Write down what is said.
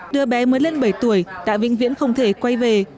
đứa bé mới lên bảy tuổi tại vĩnh viễn không thể quay về